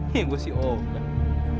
hih gua sih ogen